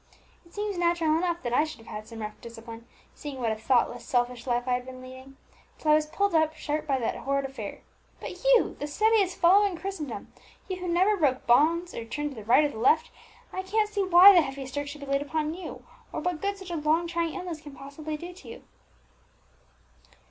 "It seems natural enough that I should have had some rough discipline, seeing what a thoughtless, selfish life I had been leading, till I was pulled up sharp by that horrid affair. But you the steadiest fellow in Christendom you, who never broke bounds, or turned to the right or the left I can't see why the heaviest strokes should be laid upon you, or what good such a long trying illness can possibly do you."